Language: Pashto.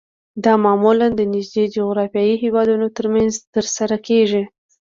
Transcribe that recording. دا معمولاً د نږدې جغرافیایي هیوادونو ترمنځ ترسره کیږي